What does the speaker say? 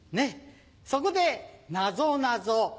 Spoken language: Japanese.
そこでなぞなぞ。